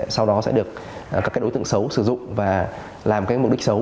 sau đó sẽ được các đối tượng xấu sử dụng và làm mục đích xấu